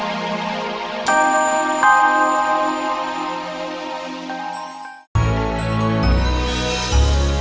aku akan mencoba